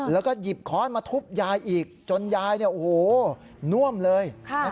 แล้วก็หยิบค้อนมาทุบยายอีกจนยายเนี่ยโอ้โหน่วมเลย